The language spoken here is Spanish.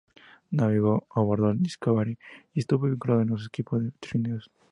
Navegó a bordo del "Discovery" y estuvo vinculado a los equipos de trineos.